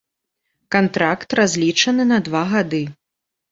Кантракт разлічаны на два гады.